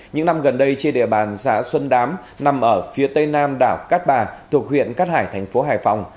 những năm gần đây trên địa bàn xã xuân đám nằm ở phía tây nam đảo cát bà thuộc huyện cát hải thành phố hải phòng